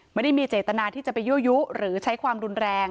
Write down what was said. ไม่ได้มีเจตนาที่จะไปยั่วยุหรือใช้ความรุนแรง